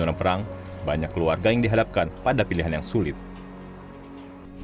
untuk setiap ibu hal paling penting adalah untuk menjaga anak mereka